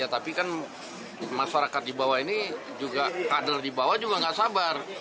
tapi kan masyarakat di bawah ini juga kader di bawah juga nggak sabar